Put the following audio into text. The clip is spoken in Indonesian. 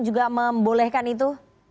juga membolehkan itu